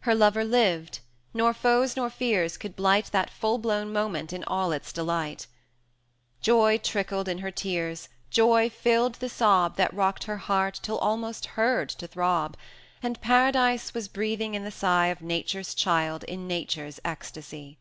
Her lover lived, nor foes nor fears could blight That full blown moment in its all delight: Joy trickled in her tears, joy filled the sob That rocked her heart till almost heard to throb; And Paradise was breathing in the sigh Of Nature's child in Nature's ecstasy.